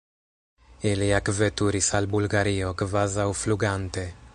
Ili ekveturis al Bulgario kvazaŭ flugante.